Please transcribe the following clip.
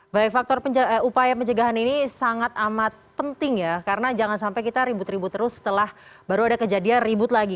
baik faktor upaya pencegahan ini sangat amat penting ya karena jangan sampai kita ribut ribut terus setelah baru ada kejadian ribut lagi